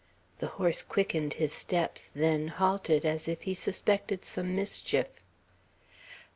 The horse quickened his steps; then halted, as if he suspected some mischief.